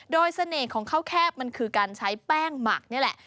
โดยเสน่ห์ของข้าวแคบมันคือการใช้แป้งหมักนี่แหละ